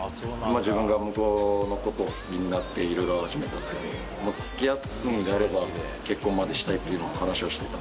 自分が向こうのことを好きになっていろいろ始めたんですけど、つきあうなら結婚までしたいっていう話をして。